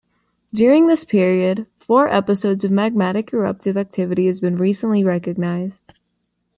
During this period, four episodes of magmatic eruptive activity have been recently recognized.